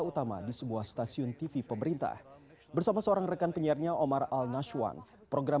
utama di sebuah stasiun tv pemerintah bersama seorang rekan penyiarnya omar al nashwan program